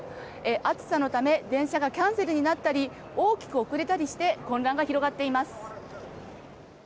暑さのため電車がキャンセルになったり大きく遅れたりして混乱が広がっています。